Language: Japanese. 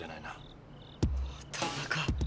田中。